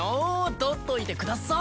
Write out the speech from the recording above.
取っといてください。